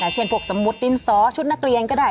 เช่นพวกสมมุติดินสอชุดนักเรียนก็ได้